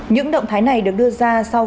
những động thái này được đưa ra sau